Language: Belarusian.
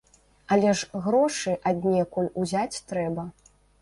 Але ж грошы аднекуль узяць трэба.